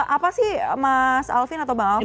apa sih mas alvin atau bang alvin